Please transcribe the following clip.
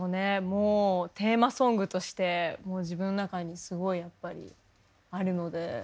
もうテーマソングとしてもう自分の中にすごいやっぱりあるので。